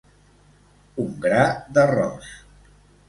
Un gra d'arròs.